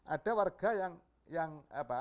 ada warga yang